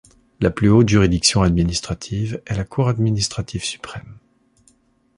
La plus haute juridiction administrative est la Cour administrative suprême.